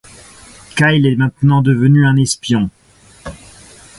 Kyle est maintenant devenu un espion...